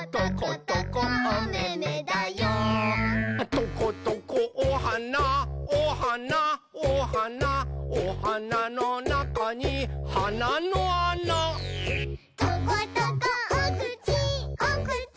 「トコトコおはなおはなおはなおはなのなかにはなのあな」「トコトコおくちおくち